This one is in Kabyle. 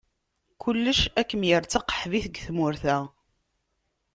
Kullec ad kem-yerr d taqaḥbit deg tmurt-a.